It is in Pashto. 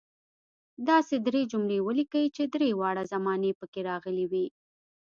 داسې درې جملې ولیکئ چې درې واړه زمانې پکې راغلي وي.